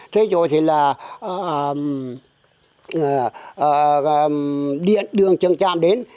thế rồi thì là điện đường trần tràm đến